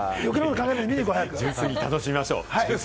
純粋に楽しみましょう。